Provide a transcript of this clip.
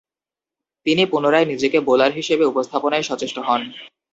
তিনি পুনরায় নিজেকে বোলার হিসেবে উপস্থাপনায় সচেষ্ট হন।